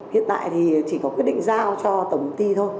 hiện tại thì chỉ có quyết định giao cho tổng ti thôi